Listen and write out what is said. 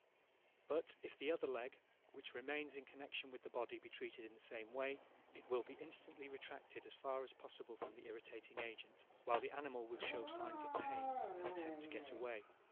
But, if the other leg, which remains in connection with the body, be treated in the same way, it will be instantly retracted as far as possible from the irritating agent, while the animal will show signs of pain, and attempt to get away.